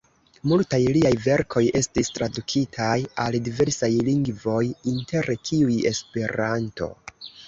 Multaj liaj verkoj estis tradukitaj al diversaj lingvoj, inter kiuj Esperanto.